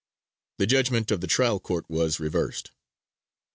The judgment of the trial court was reversed.